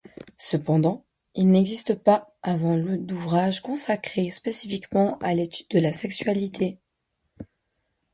Cependant, il n’existe pas avant le d’ouvrage consacré spécifiquement à l'étude de la sexualité.